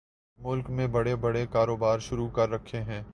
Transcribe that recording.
ملک میں بڑے بڑے کاروبار شروع کر رکھے ہیں